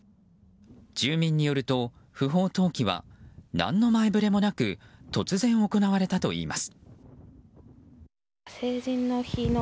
住民によると、不法投棄は何の前触れもなく突然行われたといいます。